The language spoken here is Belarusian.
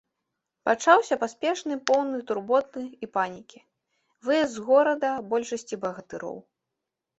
Пачаўся паспешны, поўны турботы і панікі, выезд з горада большасці багатыроў.